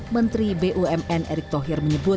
menteri bumn erick thohir menyebut